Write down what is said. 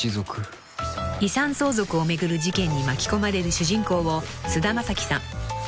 ［遺産相続を巡る事件に巻き込まれる主人公を菅田将暉さん］